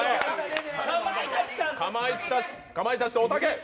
かまいたちとおたけ。